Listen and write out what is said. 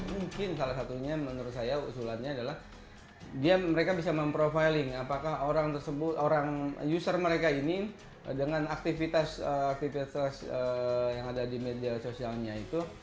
mungkin salah satunya menurut saya usulannya adalah mereka bisa memprofiling apakah orang tersebut orang user mereka ini dengan aktivitas yang ada di media sosialnya itu